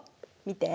見て。